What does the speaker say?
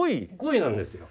５位なんですよ。